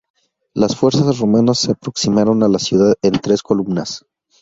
Las fuerzas romanas se aproximaron a la ciudad en tres columnas.